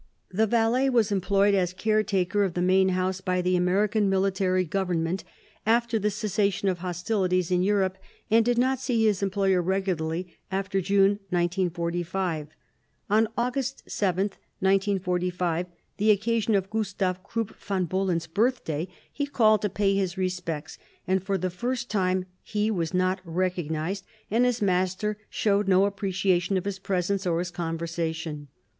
The valet was employed as caretaker of the main house by the American Military Government after the cessation of hostilities in Europe, and did not see his employer regularly after June 1945. On August 7, 1945, the occasion of Gustav Krupp von Bohlen's birthday, he called to pay his respects, and for the first time he was not recognized, and his master showed no appreciation of his presence or his conversation.